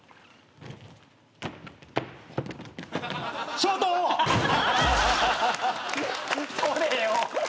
ショート！捕れよ！